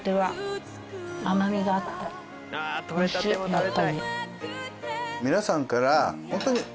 やっぱり。